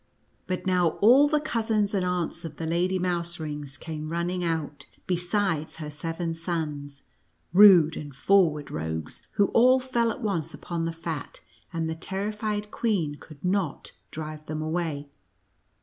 But now, all the cousins and aunts of the Lady Mouserings came running out, besides her seven sons, rude and forward rogues, who all fell at once upon the fat, and the terri fied queen could not drive them away.